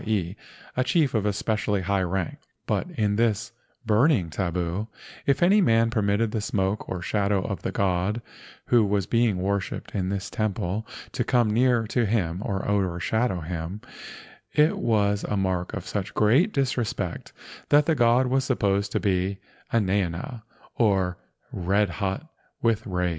e., a chief of especially high rank; but in this "burning tabu," if any man permitted the smoke or shadow of the god who was being worshipped in this temple to come near to him or overshadow him, it was a mark of such great disrespect that the god was supposed to be enaena, or red hot with rage.